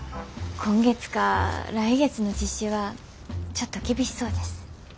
今月か来月の実施はちょっと厳しそうです。